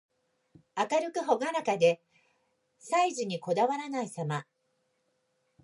明るくほがらかで、細事にこだわらないさま。